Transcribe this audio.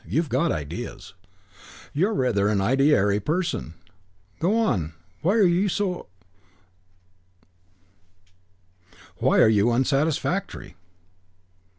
You've got ideas. You're rather an ideary person. Go on. Why are you unsatisfactory?"